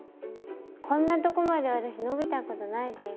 こんなとこまで私伸びたことないです。